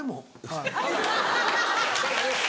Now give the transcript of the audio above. はい。